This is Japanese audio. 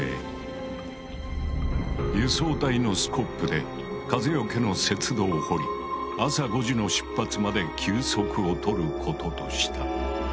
輸送隊のスコップで風よけの雪洞を掘り朝５時の出発まで休息を取ることとした。